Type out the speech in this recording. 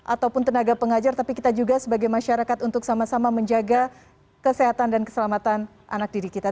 ataupun tenaga pengajar tapi kita juga sebagai masyarakat untuk sama sama menjaga kesehatan dan keselamatan anak didik kita